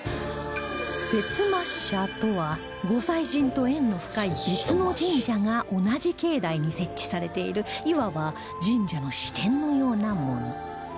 摂末社とは御祭神と縁の深い別の神社が同じ境内に設置されているいわば神社の支店のようなもの